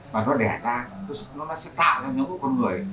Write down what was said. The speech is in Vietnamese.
và nó đẻ ra nó sẽ tạo ra những con người